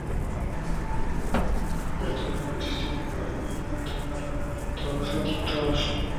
El torneo consistió en un campeonato a una rueda de todos contra todos.